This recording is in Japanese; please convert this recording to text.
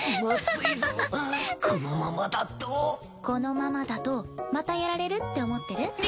このままだとまたやられるって思ってる？